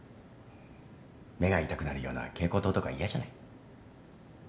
目が痛くなるような蛍光灯とか嫌じゃない。